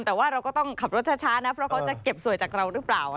แต่ว่าเราก็ต้องขับรถช้านะเพราะเขาจะเก็บสวยจากเราหรือเปล่า